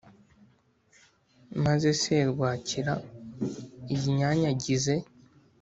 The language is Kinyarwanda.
maze serwakira iyinyanyagize.